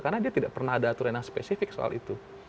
karena dia tidak pernah ada aturan yang spesifik soal itu